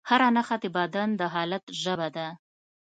هره نښه د بدن د حالت ژبه ده.